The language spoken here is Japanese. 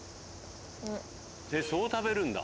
えっそう食べるんだ。